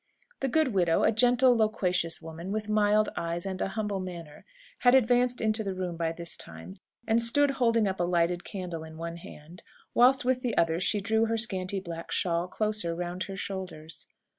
"] The good widow a gentle, loquacious woman, with mild eyes and a humble manner had advanced into the room by this time, and stood holding up a lighted candle in one hand, whilst with the other she drew her scanty black shawl closer round her shoulders.